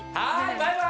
バイバイ！